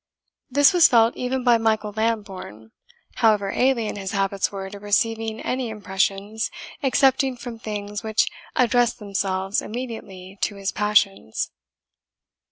This was felt even by Michael Lambourne, however alien his habits were to receiving any impressions, excepting from things which addressed themselves immediately to his passions.